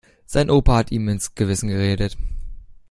Sein Opa hat ihm ins Gewissen geredet.